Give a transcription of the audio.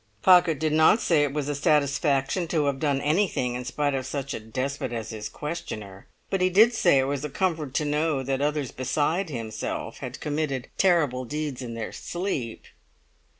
Pocket did not say it was a satisfaction to have done anything in spite of such a despot as his questioner. But he did say it was a comfort to know that others besides himself had committed terrible deeds in their sleep.